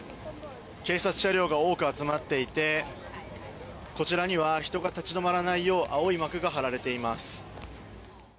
警察車両が多く集まっていてこちらには人が立ち止まらないよう青い幕が張られています。